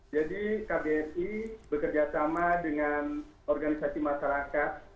jadi kbri bekerja sama dengan organisasi masyarakat